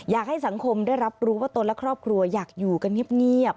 อยากให้สังคมได้รับรู้ว่าตนและครอบครัวอยากอยู่กันเงียบ